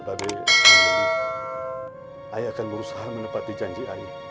tapi saya akan berusaha menepati janji saya